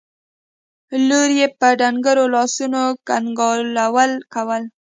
لور يې په ډنګرو لاسو کنګالول کول.